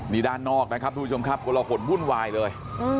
นี่ด้านนอกนะครับทุกผู้ชมครับกลหนวุ่นวายเลย